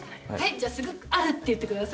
じゃあすぐあるって言ってください。